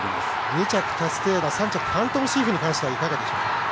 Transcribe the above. ２着タスティエーラ３着ファントムシーフについてはいかがでしょう？